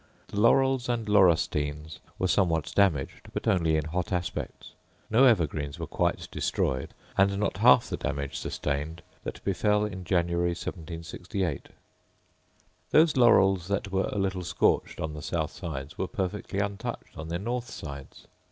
The laurels and laurustines were somewhat damaged, but only in hot aspects. No evergreens were quite destroyed; and not half the damage sustained that befell in January, 1768. Those laurels that were a little scorched on the south sides were perfectly untouched on their north sides.